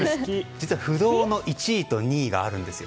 実は不動の１位と２位があるんですよ。